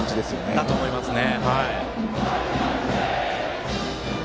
そうだと思いますね。